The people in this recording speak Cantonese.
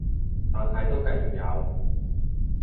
但係都繼續有